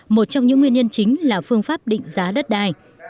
một trong những nguyên nhân chính là phương pháp định giá đất đai